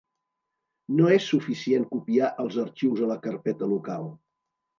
No és suficient copiar els arxius a la carpeta local.